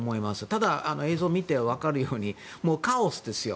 ただ、映像を見て分かるようにもうカオスですよ。